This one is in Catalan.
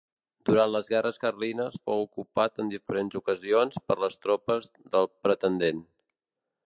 Durant les guerres carlines fou ocupat en diferents ocasions per les tropes del pretendent.